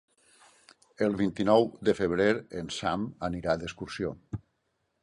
El vint-i-nou de febrer en Sam anirà d'excursió.